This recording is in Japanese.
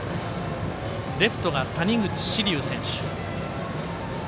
レフトが谷口志琉選手。